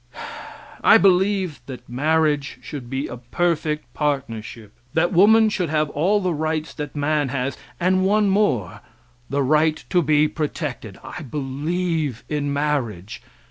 I believe that marriage should be a perfect partnership; that woman should have all the rights that man has, and one more the right to be protected. I believe in marriage.